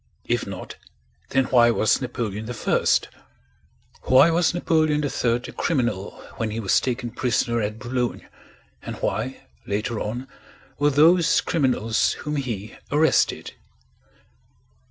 If not, then why was Napoleon I? Why was Napoleon III a criminal when he was taken prisoner at Boulogne, and why, later on, were those criminals whom he arrested?